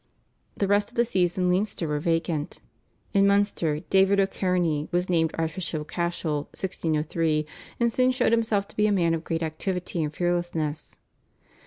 The rest of the Sees in Leinster were vacant. In Munster, David O'Kearney was named Archbishop of Cashel (1603), and soon showed himself to be a man of great activity and fearlessness.